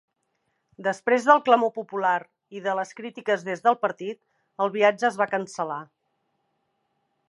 Després del clamor popular i de les crítiques des del partit, el viatge es va cancel·lar.